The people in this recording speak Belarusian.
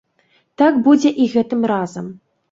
Так будзе і гэтым разам.